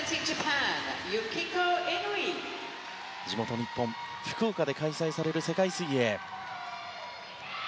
地元、日本・福岡で開催される世界水泳。